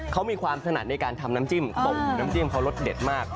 เขามีความถนัดในการทำน้ำจิ้มต้มน้ำจิ้มเขารสเด็ดมาก